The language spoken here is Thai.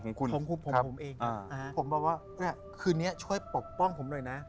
ผมพรึ่งผิวตัวเองผมบอกว่าคุณเนี่ยทศช่วยปกป้องผมหน่อยนะ